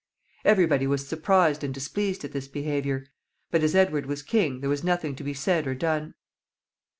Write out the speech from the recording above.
Every body was surprised and displeased at this behavior, but as Edward was king there was nothing to be said or done.